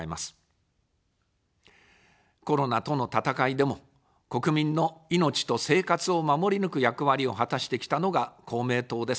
コロナとの闘いでも、国民の命と生活を守り抜く役割を果たしてきたのが公明党です。